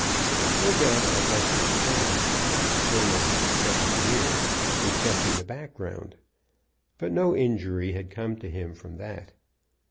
No doubt Augustus had, till the spring of this present year, been kept in the background; but no injury had come to him from that.